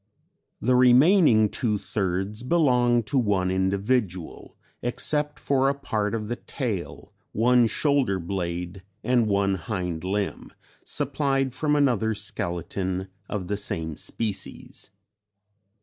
The remaining two thirds belong to one individual, except for a part of the tail, one shoulder blade and one hind limb, supplied from another skeleton of the same species.